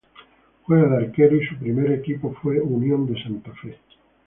Juega de arquero y su primer equipo fue Unión de Santa Fe.